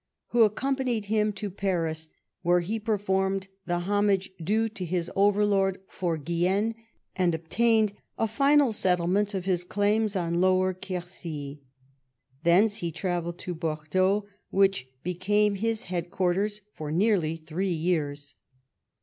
who accompanied him to Paris, where he per formed the homage due to his overlord for Guienne, and obtained a final settlement of his claims on Lower Quercy. Thence he travelled to Bordeaux, which be came his headquarters for nearly three years.